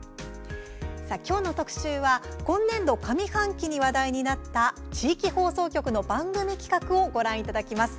今日の特集は今年度上半期に話題になった地域放送局の番組企画をご覧いただきます。